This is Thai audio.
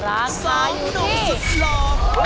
และได้ถูกคลอดแจ๊คพอร์ต